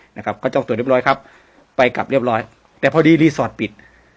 นะครับก็จองตัวเรียบร้อยครับไปกลับเรียบร้อยแต่พอดีรีสอร์ทปิด